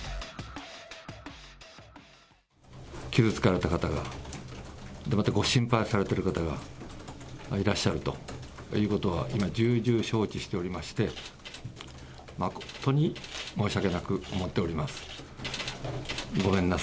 傷つけられた方が、またご心配されている方がいらっしゃるということは、今、重々承知しておりまして、誠に申し訳なく思っております。